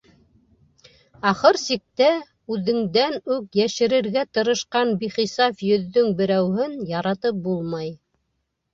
Ахыр сиктә, үҙеңдән үк йәшерергә тырышҡан бихисап йөҙҙөң берәүһен яратып булмай.